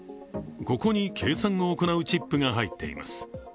ここに計算を行うチップが入っています。